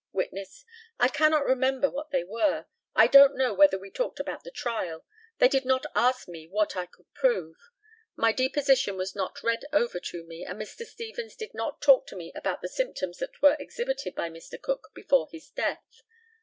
Witness: I cannot remember what they were. I don't know whether we talked about the trial. They did not ask me what I could prove. My deposition was not read over to me, and Mr. Stevens did not talk to me about the symptoms that were exhibited by Mr. Cook before his death.